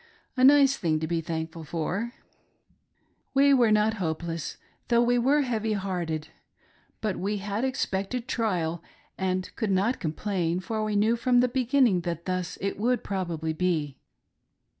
— A nice thing to be thankful for. "AS ^LACK AS THE DEVIL." IIJT We were not hopeless, though we were heavy hearted ; but we had expected trial, and could not complain, for we knew from the beginning that thus it would probably be.